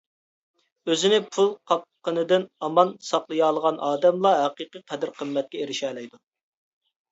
ئۆزىنى پۇل قاپقىنىدىن ئامان ساقلىيالىغان ئادەملا ھەقىقىي قەدىر-قىممەتكە ئېرىشەلەيدۇ.